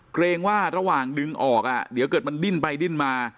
เกรงว่าระหว่างดึงออกเดี๋ยวเกิดมันดิ้นไปดิ้นมา